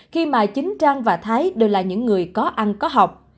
khi mà chính trang và thái đều là những người có ăn có học